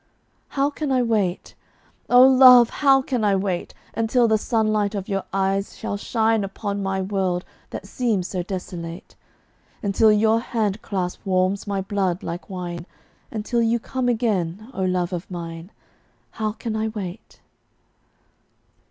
How can I wait? Oh, love, how can I wait Until the sunlight of your eyes shall shine Upon my world that seems so desolate? Until your hand clasp warms my blood like wine; Until you come again, oh, love of mine, How can I wait?